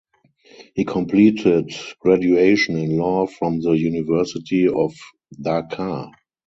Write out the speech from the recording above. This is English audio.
He completed graduation in law from the University of Dhaka.